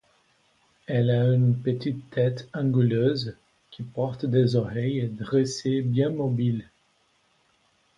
Elle a une petite tête anguleuse, qui porte des oreilles dressées bien mobiles.